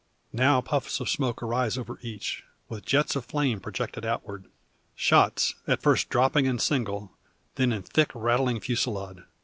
And now puffs of smoke arise over each, with jets of flame projected outward. Shots, at first dropping and single, then in thick rattling fusillade.